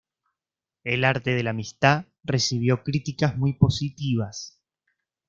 El arte de la amistad" recibió críticas muy positivas.